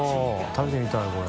食べてみたいこれ。